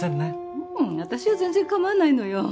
ううん私は全然構わないのよ。